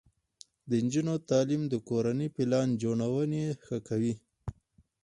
د نجونو تعلیم د کورنۍ پلان جوړونې ښه کوي.